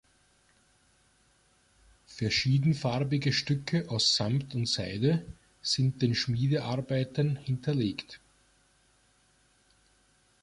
Verschiedenfarbige Stücke aus Samt und Seide sind den Schmiedearbeiten hinterlegt.